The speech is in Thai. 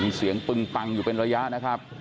มีเสียงปึงปังอยู่เป็นระยะนะครับ